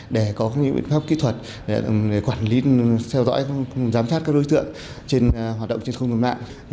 để có các biện pháp kỹ thuật để quản lý theo dõi giám sát các đối tượng trên hoạt động trên không gồm mạng